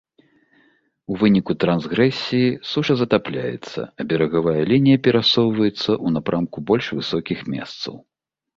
У выніку трансгрэсіі суша затапляецца, а берагавая лінія перасоўваецца ў напрамку больш высокіх месцаў.